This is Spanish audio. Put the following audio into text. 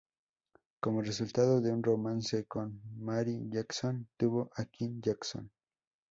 Como resultado de un romance con Mary Jackson tuvo a Quinn Jackson.